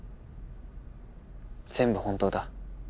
全部本当だ。